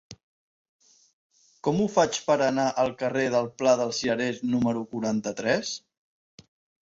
Com ho faig per anar al carrer del Pla dels Cirerers número quaranta-tres?